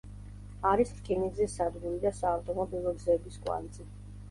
არის რკინიგზის სადგური და საავტომობილო გზების კვანძი.